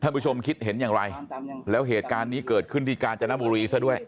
ผู้ชมคิดเห็นอย่างไรแล้วเหตุการณ์นี้เกิดขึ้นที่กาญจนบุรีซะด้วย